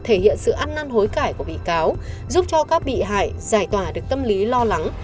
thể hiện sự ăn năn hối cải của bị cáo giúp cho các bị hại giải tỏa được tâm lý lo lắng